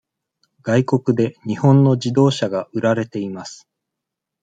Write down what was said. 外国で日本の自動車が売られています。